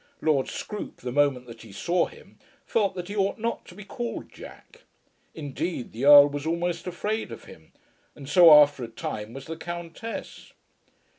Lord Scroope, the moment that he saw him, felt that he ought not to be called Jack. Indeed the Earl was almost afraid of him, and so after a time was the Countess.